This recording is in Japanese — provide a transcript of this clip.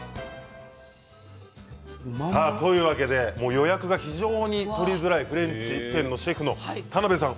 予約が非常に取りづらいフレンチ店のシェフの田辺さん